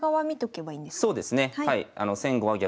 そうですねはい。